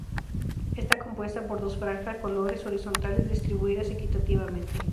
Está compuesta por dos franja de colores horizontales distribuidas equitativamente.